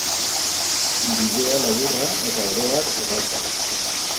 Bidea laburra eta oro har erraza da.